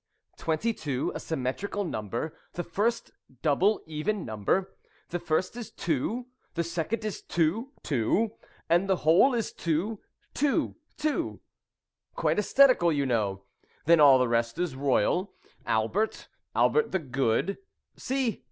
22 a symmetrical number, the first double even number; the first is two, the second is two, too, and the whole is two, two, too quite æsthetical, you know. Then all the rest is royal Albert, Albert the Good, see.